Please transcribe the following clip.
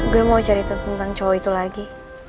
gue mau cerita tentang cowok itu lagi